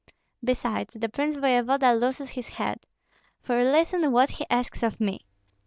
Besides, the prince voevoda loses his head. For listen what he asks of me."